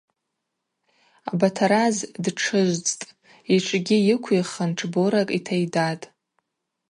Батараз дтшыжвцӏтӏ, йтшгьи йыквихын тшборакӏ йтайдатӏ.